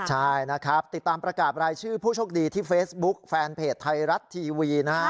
ใช่นะครับติดตามประกาศรายชื่อผู้โชคดีที่เฟซบุ๊คแฟนเพจไทยรัฐทีวีนะฮะ